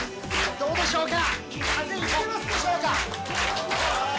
どうでしょうか、風、いってますでしょうか。